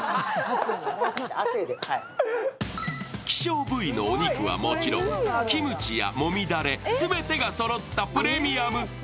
希少部位のお肉はもちろん、キムチやもみだれ、全てがそろったプレミアム。